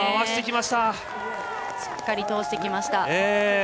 しっかり通してきました。